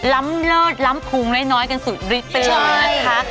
ล้ำเลิศล้ำภูมิน้อยกันสุดริเปลี่ยนค่ะ